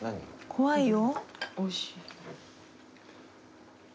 怖いよ・